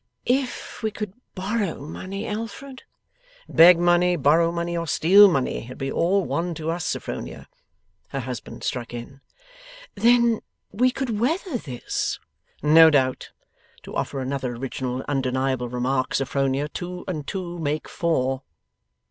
'If we could borrow money, Alfred ' 'Beg money, borrow money, or steal money. It would be all one to us, Sophronia,' her husband struck in. ' Then, we could weather this?' 'No doubt. To offer another original and undeniable remark, Sophronia, two and two make four.